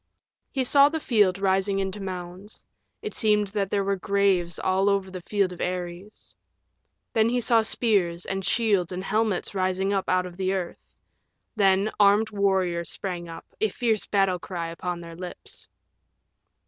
He saw the field rising into mounds. It seemed that there were graves all over the field of Ares. Then he saw spears and shields and helmets rising up out of the earth. Then armed warriors sprang up, a fierce battle cry upon their lips.